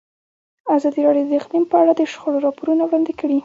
ازادي راډیو د اقلیم په اړه د شخړو راپورونه وړاندې کړي.